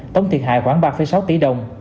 tổng thiệt hại khoảng ba sáu tỷ đồng